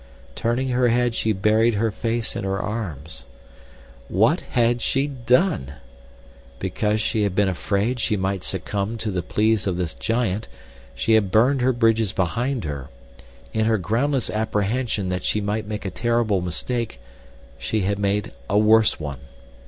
Turning her head she buried her face in her arms. What had she done? Because she had been afraid she might succumb to the pleas of this giant, she had burned her bridges behind her—in her groundless apprehension that she might make a terrible mistake, she had made a worse one.